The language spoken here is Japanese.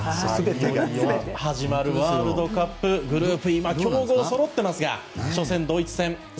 始まるワールドカップグループＥ強豪そろってますが初戦ドイツ戦。